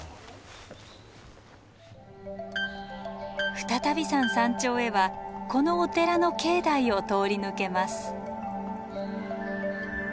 再度山山頂へはこのお寺の境内を通り抜けます。